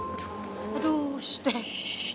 aduh aduh shhh